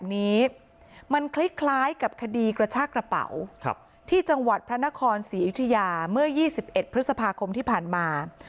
ในประวัติพระนครศรีอิทยาเมื่อ๒๑พฤษภาคมที่ผ่านมา